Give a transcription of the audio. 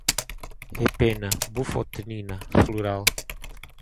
epena, bufotenina, floral